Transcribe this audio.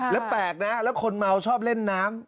แล้วแปลกนะแล้วคนเมาชอบเล่นน้ำ